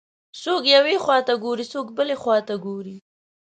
څوک یوې خواته ګوري، څوک بلې خواته ګوري.